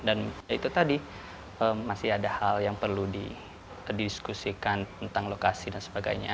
dan itu tadi masih ada hal yang perlu didiskusikan tentang lokasi dan sebagainya